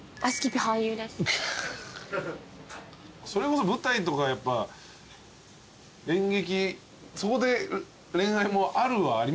それこそ舞台とかやっぱ演劇そこで恋愛もあるはありますよね？